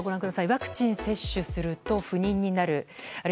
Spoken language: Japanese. ワクチン接種すると不妊になる。